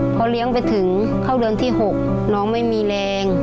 พอเลี้ยงไปถึงเข้าเดือนที่๖น้องไม่มีแรง